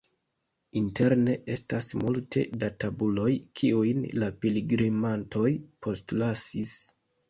Interne estas multe da tabuloj, kiujn la pilgrimantoj postlasis.